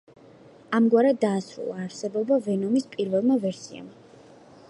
ამგვარად დაასრულა არსებობა „ვენომის“ პირველმა ვერსიამ.